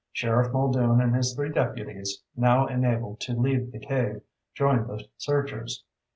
Sheriff Muldoon and his three deputies, now enabled to leave the cave, joined the searchers.